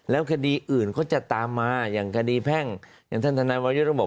แล้วคดีอื่นก็จะตามมาอย่างคดีแพ่งอย่างท่านทนายวรยุทธ์ก็บอก